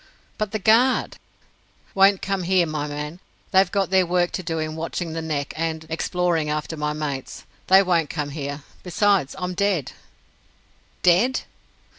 "But the Guard?" "Won't come here, my man. They've got their work to do in watching the Neck and exploring after my mates. They won't come here. Besides, I'm dead." "Dead!"